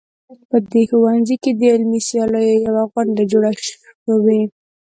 په دې ښوونځي کې د علمي سیالیو یوه غونډه جوړه شوې